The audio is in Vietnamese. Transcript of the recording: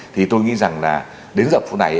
thì tôi nghĩ rằng là đến giờ phút này